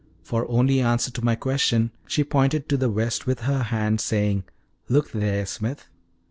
For only answer to my question she pointed to the west with her hand, saying: "Look there, Smith."